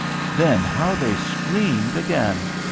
Then how they screamed again!